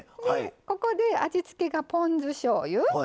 ここで味付けがポン酢しょうゆ。